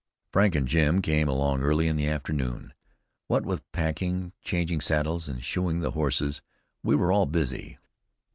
Frank and Jim came along early in the afternoon. What with packing, changing saddles and shoeing the horses, we were all busy.